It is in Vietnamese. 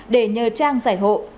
để nhờ trang giải hộ